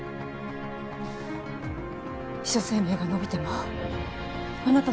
秘書生命が延びてもあなたの心が死ぬ。